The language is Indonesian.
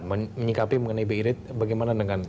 menyikapi mengenai birib bagaimana dengan